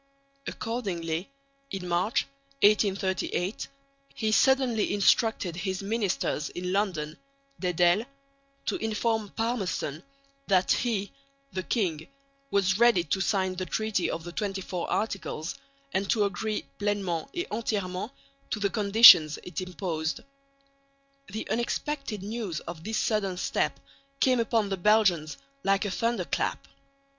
Accordingly, in March, 1838, he suddenly instructed his minister in London (Dedel) to inform Palmerston that he (the king) was ready to sign the treaty of the XXIV Articles, and to agree pleinement et entièrement to the conditions it imposed. The unexpected news of this sudden step came upon the Belgians like a thunderclap.